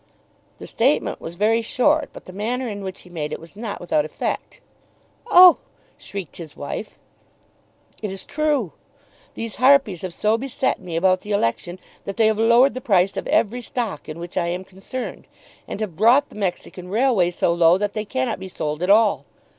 The statement was very short, but the manner in which he made it was not without effect. "Oh!" shrieked his wife. "It is true. These harpies have so beset me about the election that they have lowered the price of every stock in which I am concerned, and have brought the Mexican Railway so low that they cannot be sold at all.